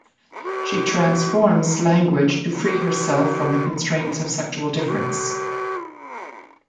She transforms language to free herself from the constraints of sexual difference.